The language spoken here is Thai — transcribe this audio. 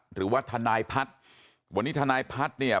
หรือว่าทนายพัฒน์วันนี้ทนายพัฒน์เนี่ย